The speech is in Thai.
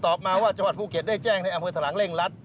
ตอบมาว่าจังหือถลังเร่งรัด